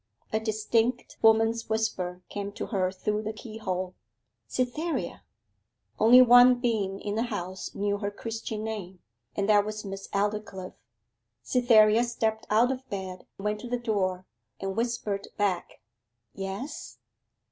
A distinct woman's whisper came to her through the keyhole: 'Cytherea!' Only one being in the house knew her Christian name, and that was Miss Aldclyffe. Cytherea stepped out of bed, went to the door, and whispered back, 'Yes?